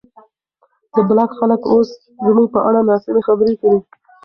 د بلاک خلک اوس زموږ په اړه ناسمې خبرې کوي.